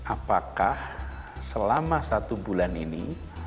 apakah selama satu bulan ini